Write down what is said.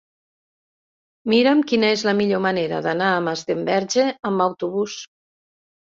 Mira'm quina és la millor manera d'anar a Masdenverge amb autobús.